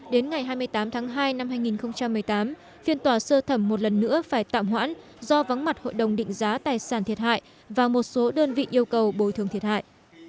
đến ngày hai mươi tám tháng hai năm hai nghìn một mươi tám phiên tòa sơ thẩm một lần nữa phải tạm hoãn do vắng mặt hội đồng định giá tài sản thiệt hại và một số đơn vị yêu cầu bồi thường thiệt hại